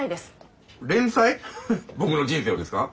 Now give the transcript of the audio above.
僕の人生をですか？